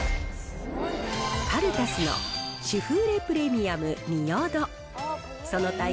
カルタスのシュフーレプレミアム仁淀。